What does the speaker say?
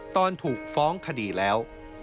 ตอนถูกฟ้องคดีแล้ว